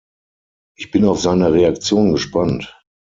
Ich bin auf seine Reaktion gespannt.